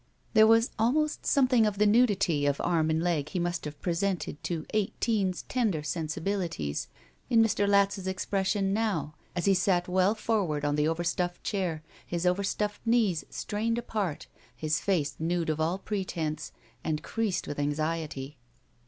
There was almost something of the nudity of arm and leg he must have presented to eighteen's tender sensibilities in Mr. Latz's expression now as he sat well forward on the overstuffed chair, his overstuffed knees strained apart, his face nude of all pretense and creased with anxiety.